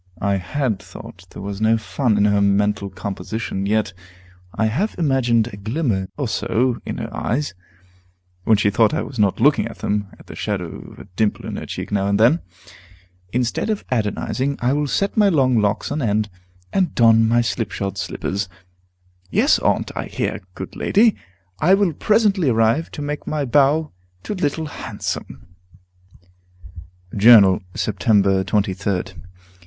I had thought there was no fun in her mental composition. Yet I have imagined a glimmer or so in her eyes, when she thought I was not looking at them, and the shadow of a dimple in her cheek now and then. Instead of Adonizing, I will set my long locks on end, and don my slipshod slippers. "Yes, Aunt; I hear, good lady! I will presently arrive, to make my bow to Little Handsome." Journal, Sept. 23d.